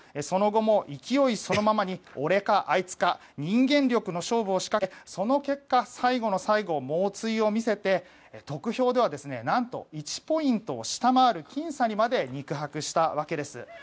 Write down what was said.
その後も勢いそのままに俺か、あいつか人間力の勝負を仕掛けその結果最後の最後、猛追を見せて得票では何と１ポイントを下回る僅差にまで肉薄したわけです。